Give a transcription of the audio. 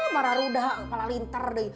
marah rudha kepala linter